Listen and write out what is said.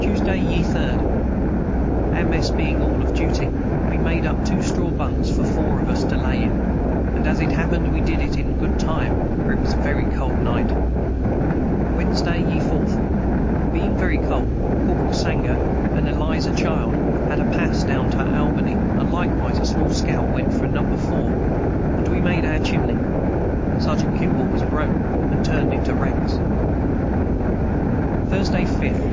Tuesday ye 3rd. Our mes being all of duty we made us up 2 Straw bunks for 4 of us to lay in and as it hapened we did it in a good time for it was a very cold night. Wednesday ye 4th. Being very cold Corperal Sanger & Eliezer Child had a pas down to Albany & Likewise a small scout went for Number four & we made our chimney serjant Kimbal was broke and turned into the ranks. Thursday 5th.